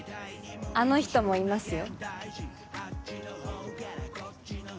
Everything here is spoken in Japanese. あの人もいますよ